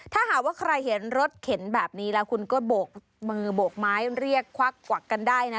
ถ้าหากว่าใครเห็นรถเข็นแบบนี้แล้วคุณก็โบกมือโบกไม้เรียกควักกวักกันได้นะ